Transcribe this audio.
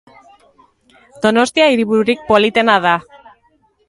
Donostia hiribururik politena da.